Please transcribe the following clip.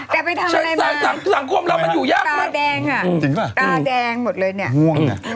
แต่ไปทำอะไรมากตาแดงอะจริงป่ะตาแดงหมดเลยเนี่ยง่วงอะ